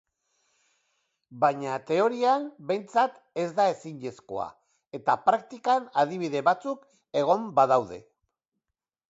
Baina teorian behintzat ez da ezinezkoa, eta praktikan adibide batzuk egon badaude.